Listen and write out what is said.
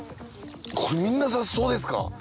これみんな雑草ですか？